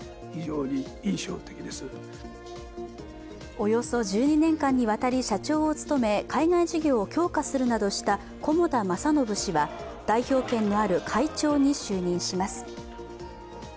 およそ１２年間にわたり社長を務め海外事業を強化するなどした菰田正信氏は代表権のある会長に就任します。